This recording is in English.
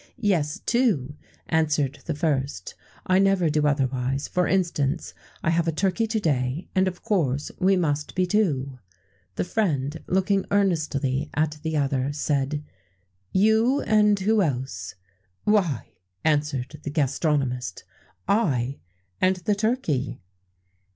"Yes, two," answered the first; "I never do otherwise: for instance, I have a turkey to day, and of course we must be two." The friend, looking earnestly at the other, said: "You, and who else?" "Why," answered the gastronomist, "I and the turkey."